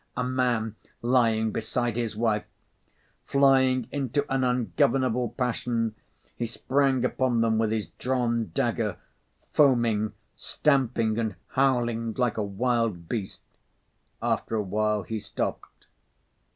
a man lying beside his wife! Flying into an ungovernable passion, he sprang upon them with his drawn dagger, foaming, stamping and howling like a wild beast. After a while he stopped.